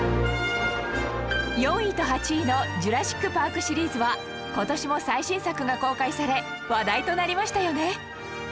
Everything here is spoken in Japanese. ４位と８位の『ジュラシック・パーク』シリーズは今年も最新作が公開され話題となりましたよね